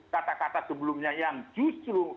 kata kata sebelumnya yang justru